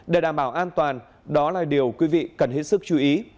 để đảm bảo an toàn đó là điều quý vị cần hết sức chú ý